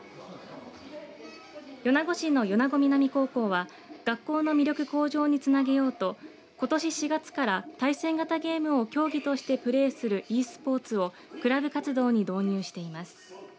米子市の米子南高校は学校の魅力向上につなげようとことし４月から対戦型ゲームを競技としてプレーするｅスポーツをクラブ活動に導入しています。